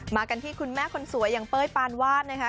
มากันที่คุณแม่คนสวยอย่างเป้ยปานวาดนะคะ